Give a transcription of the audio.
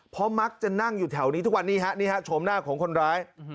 เพราะมักจะนั่งอยู่แถวนี้ทุกวันนี้ฮะนี่ฮะโฉมหน้าของคนร้าย